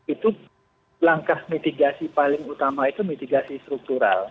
itu langkah mitigasi paling utama itu mitigasi struktural